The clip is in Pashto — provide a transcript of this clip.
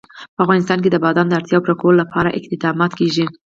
په افغانستان کې د بادام د اړتیاوو پوره کولو لپاره اقدامات کېږي.